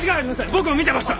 僕も見てました！